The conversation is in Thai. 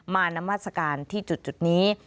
มาน้ำมัสการที่จุดนี้